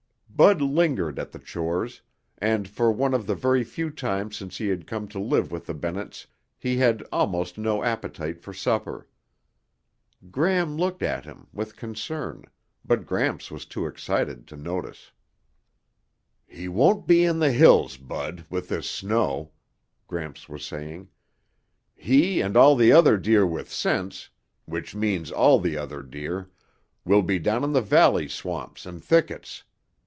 Bud lingered at the chores, and for one of the very few times since he had come to live with the Bennetts, he had almost no appetite for supper. Gram looked at him with concern, but Gramps was too excited to notice. "He won't be in the hills, Bud, with this snow," Gramps was saying. "He and all the other deer with sense, which means all the other deer, will be down in the valley swamps and thickets.